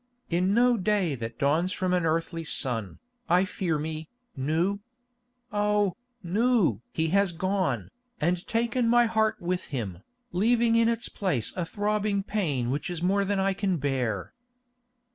"In no day that dawns from an earthly sun, I fear me, Nou. Oh, Nou! he has gone, and taken my heart with him, leaving in its place a throbbing pain which is more than I can bear."